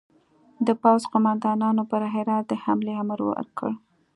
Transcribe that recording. د پوځ قوماندانانو پر هرات د حملې امر ورکړ.